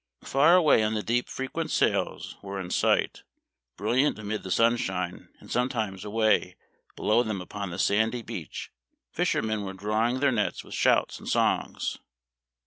Far away on the deep frequent sails were in sight, brilliant amid the sunshine, and sometimes away below them upon the sandy beach fishermen were drawing their nets with shouts and songs.